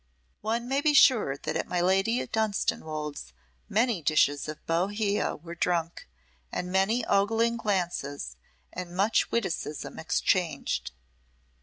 One may be sure that at my Lady Dunstanwolde's many dishes of Bohea were drunk, and many ogling glances and much witticism exchanged.